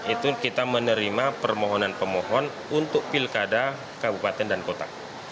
itu kita menerima permohonan pemohon untuk pilkada kabupaten dan kota